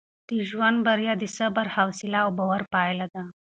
د ژوند بریا د صبر، حوصله او باور پایله ده.